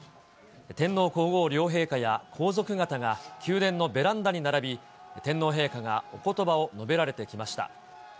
天皇皇后両陛下や皇族方が宮殿のベランダに並び、天皇陛下がおことばを述べられてきました。